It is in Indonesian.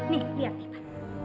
nih lihat nih pak